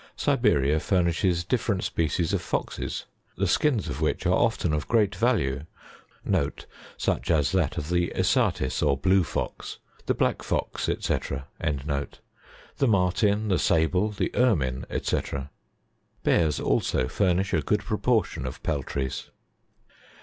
Siberia furnishes different species of foxes, the skins of which are often of great value (such as that of the Isatis or blue fox, the black fox, &c.) the marten, the sable, the ermine, &c.; bears also furnish a good proportion of peltries.